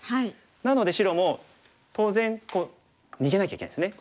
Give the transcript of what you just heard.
なので白も当然逃げなきゃいけないですね。